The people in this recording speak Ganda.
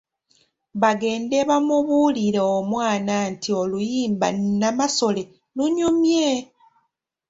Bagende bamubuulire Omwana Nti oluyimba " Namasole " lunyumye!